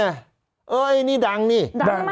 อ้อไอ้นี่ดังนี่